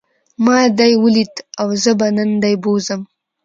ما دی وليد او زه به نن دی بوځم.